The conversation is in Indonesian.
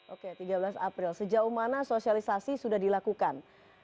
oke tiga belas april sejauh mana sosialisasi sudah dilakukan